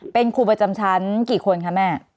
เป็นครูประจำชั้นกี่คนคะแม่